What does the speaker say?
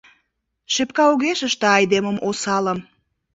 Шепка огеш ыште айдемым осалым.